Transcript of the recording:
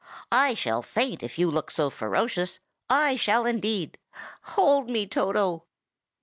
"I shall faint if you look so ferocious. I shall, indeed! Hold me, Toto!"